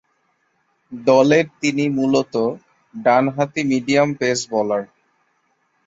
দলে তিনি মূলতঃ ডানহাতি মিডিয়াম পেস বোলার।